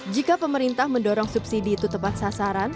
jika pemerintah mendorong subsidi itu tepat sasaran